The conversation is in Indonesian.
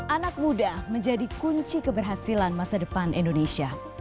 anak muda menjadi kunci keberhasilan masa depan indonesia